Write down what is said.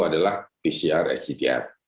adalah pcr s gtr